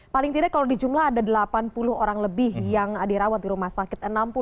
paling tidak kalau di jumlah ada delapan puluh orang lebih yang dirawat di rumah sakit